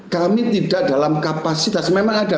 kami tidak dalam kapasitas memang ada